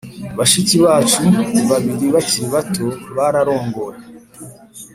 Bashiki bacu babiri bakiri bato bararongowe